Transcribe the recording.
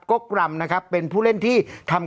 ก็กรัมนะครับเป็นผู้เล่นที่ทำ